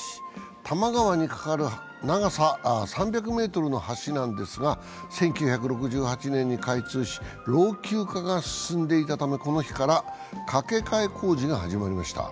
多摩川に架かる長さ３００ｍの橋なんですが１９６８年に開通し、老朽化が進んでいたためこの日から架け替え工事が始まりました。